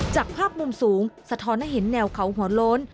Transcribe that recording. จากภาพมุมสูงสะท้อนให้เห็นแนวเขาหัวโล้น